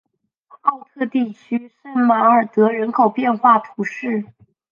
奥特地区圣马尔德人口变化图示